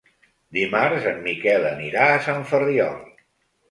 Dimarts en Miquel anirà a Sant Ferriol.